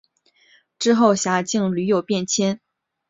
之后辖境屡有变迁。